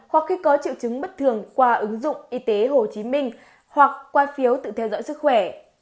hoặc khi có triệu chứng bất thường qua ứng dụng y tế hồ chí minh hoặc qua phiếu tự theo dõi sức khỏe